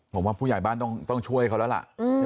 ผมว่าผู้ใหญ่บ้านต้องช่วยเขาแล้วล่ะ